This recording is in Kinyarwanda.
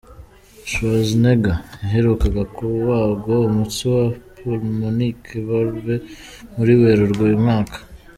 Schwarzenegger yaherukaga kubagwa umutsi wa “pulmonic valve” muri Werurwe uyu mwaka.